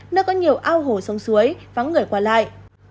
nơi có nhiều ao hồ sông suối vắng người qua lại